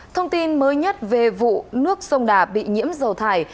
thông tin mới nhất về vụ nước sông đà bị nhiễm dầu thải